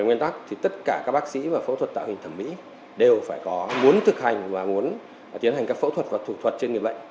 nguyên tắc thì tất cả các bác sĩ và phẫu thuật tạo hình thẩm mỹ đều phải có muốn thực hành và muốn tiến hành các phẫu thuật và thủ thuật trên người bệnh